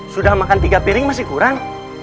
sudah makan tiga piring masih kurang